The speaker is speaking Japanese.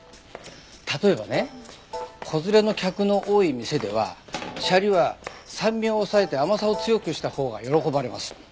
例えばね子連れの客の多い店ではシャリは酸味を抑えて甘さを強くしたほうが喜ばれます。